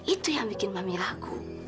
itu yang bikin mami ragu